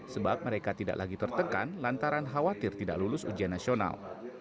sebab mereka tidak lagi tertekan lantaran khawatir tidak lulus ujian nasional